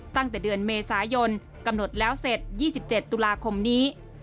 ตั้งแต่เดือนเมษายนกำหนดแล้วเสร็จ๒๗ตุลาคมนี้